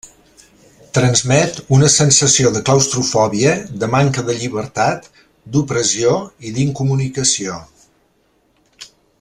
Transmet una sensació de claustrofòbia, de manca de llibertat, d'opressió i d'incomunicació.